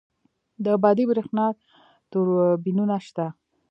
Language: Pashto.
د بادی بریښنا توربینونه شته؟